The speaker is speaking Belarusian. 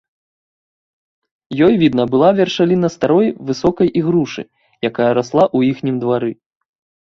Ёй відна была вяршаліна старой высокай ігрушы, якая расла ў іхнім двары.